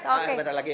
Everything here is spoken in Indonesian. iya bentar lagi